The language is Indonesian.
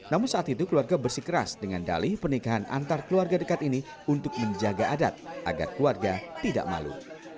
namun saat itu keluarga bersikeras dengan dalih pernikahan antar keluarga dekat ini untuk menjaga adat agar keluarga tidak malu